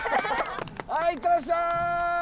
はい行ってらっしゃい！